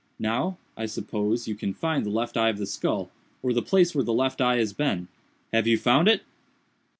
Now, I suppose, you can find the left eye of the skull, or the place where the left eye has been. Have you found it?"